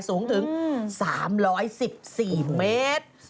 สูงถึง๓๑๔เมตร